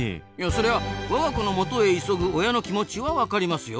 そりゃ我が子のもとへ急ぐ親の気持ちは分かりますよ。